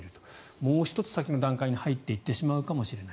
もう１つ先の段階に入っていってしまうかもしれない。